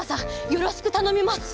よろしくたのみます！